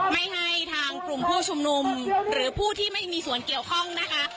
ไม่ให้ทางกลุ่มผู้ชุมนุมหรือผู้ที่ไม่มีส่วนเกี่ยวข้องนะคะ